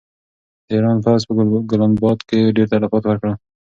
د ایران پوځ په ګلناباد کې ډېر تلفات ورکړل.